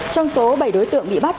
trong số bảy đối tượng bị bắt